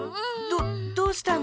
どどうしたの？